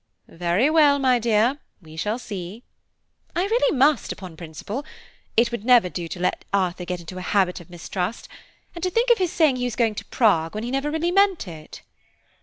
"Very well, my dear; we shall see." "I really must, upon principle. It would never do to let Arthur get into a habit of mistrust–and to think of his saying he was going to Prague, when he never meant it!"